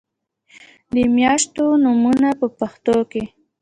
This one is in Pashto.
د میاشتو نومونه په پښتو کې